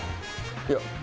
いや。